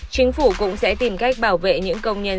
chính phủ cũng sẽ tìm cách bảo vệ những công nhân